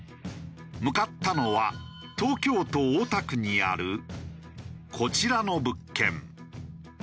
向かったのは東京都大田区にあるこちらの物件。